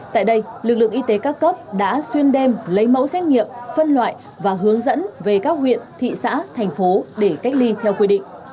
tại đây lực lượng y tế các cấp đã xuyên đem lấy mẫu xét nghiệm phân loại và hướng dẫn về các huyện thị xã thành phố để cách ly theo quy định